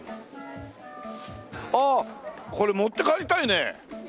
あこれ持って帰りたいね。